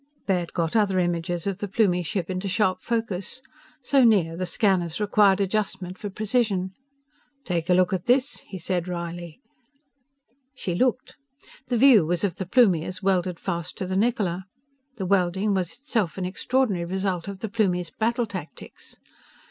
Baird got other images of the Plumie ship into sharp focus. So near, the scanners required adjustment for precision. "Take a look at this!" he said wryly. She looked. The view was of the Plumie as welded fast to the Niccola. The welding was itself an extraordinary result of the Plumie's battle tactics.